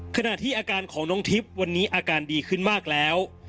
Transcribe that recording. ขณะที่อาการของน้องทิพย์วันนี้อาการดีขึ้นมากแล้ว